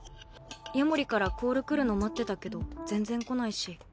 夜守からコール来るの待ってたけど全然来ないし。